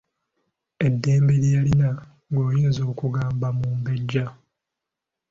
Eddembe lye yalina ng'oyinza okugamba mumbejja.